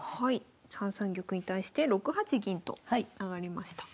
３三玉に対して６八銀と上がりました。